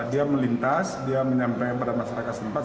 dia melintas dia menyampaikan kepada masyarakat setempat